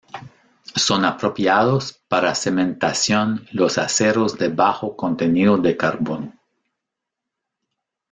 Son apropiados para cementación los aceros de bajo contenido de carbono.